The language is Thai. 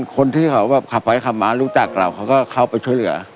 คนที่เขาแบบขับไปขับมารู้จักเราเขาก็เข้าไปช่วยเหลือ